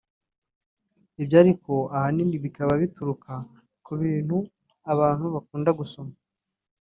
Ibyo ariko ahanini bikaba bituruka ku bintu abantu bakunda gusoma